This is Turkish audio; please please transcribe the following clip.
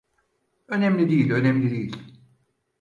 Önemli değil, önemli değil.